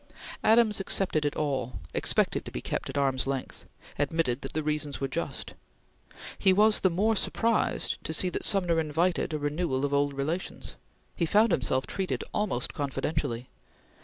Adams accepted it all; expected to be kept at arm's length; admitted that the reasons were just. He was the more surprised to see that Sumner invited a renewal of old relations. He found himself treated almost confidentially.